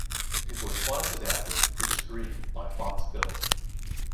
It was twice adapted for the screen by Fox Film.